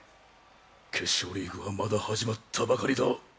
決勝リーグはまだ始まったばかりだ。